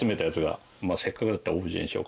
せっかくだったら。